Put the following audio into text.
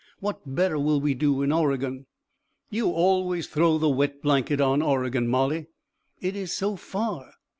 What better will we do in Oregon?" "You always throw the wet blanket on Oregon, Molly." "It is so far!"